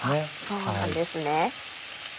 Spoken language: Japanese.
そうなんですね。